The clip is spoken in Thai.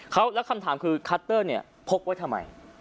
คือคัตเตอร์เนี่ยพกไว้ทำไม